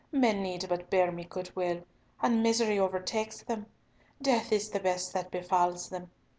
Men need but bear me good will, and misery overtakes them. Death is the best that befalls them!